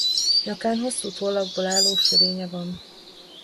Nyakán hosszú tollakból álló sörénye van.